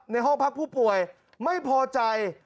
ในห้องพักผู้ป่วยไม่พอใจ